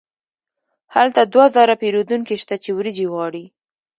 هلته دوه زره پیرودونکي شته چې وریجې غواړي.